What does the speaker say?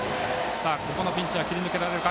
ここのピンチは切り抜けられるか。